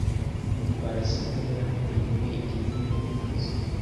Mutwara sibo yaramwenyuye igihe wabivuze.